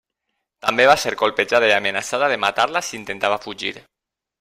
També va ser colpejada i amenaçada de matar-la si intentava fugir.